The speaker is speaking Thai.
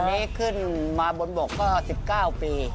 อันนี้ขึ้นมาบนบกก็๑๙ปี